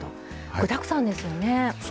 具だくさんですよね。